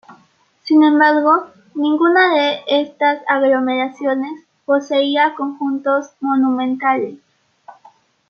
Sin embargo, ninguna de estas aglomeraciones poseía conjuntos monumentales.